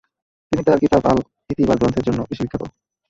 তিনি তার কিতাব আল-ই'তিবার গ্রন্থের জন্য বেশি বিখ্যাত।